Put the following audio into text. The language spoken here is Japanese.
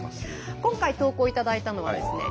今回投稿いただいたのはですね